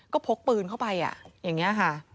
ก็พกปืนเข้าไปอย่างนี้ค่ะ